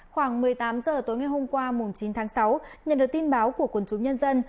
khoảng một mươi tám h tối ngày hôm qua chín tháng sáu nhận được tin báo của quân chúng nhân dân